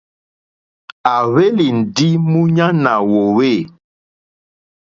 À hwélì ndí múɲánà wòòwê.